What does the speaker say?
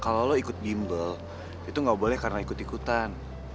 kalau lo ikut bimbel itu nggak boleh karena ikut ikutan